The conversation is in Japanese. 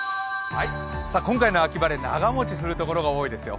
今回の秋晴れ、長持ちするところが多いですよ。